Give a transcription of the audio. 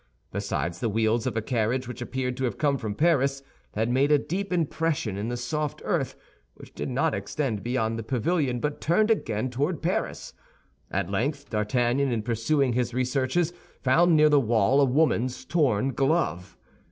Besides, the wheels of a carriage, which appeared to have come from Paris, had made a deep impression in the soft earth, which did not extend beyond the pavilion, but turned again toward Paris. At length D'Artagnan, in pursuing his researches, found near the wall a woman's torn glove.